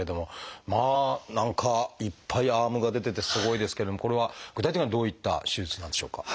まあ何かいっぱいアームが出ててすごいですけれどもこれは具体的にはどういった手術なんでしょうか？